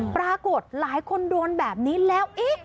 ปรากฏหลายคนโดนแบบนี้แล้วเอ๊ะ